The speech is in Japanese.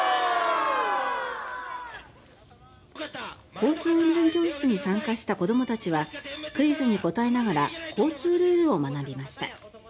交通安全教室に参加した子どもたちはクイズに答えながら交通ルールを学びました。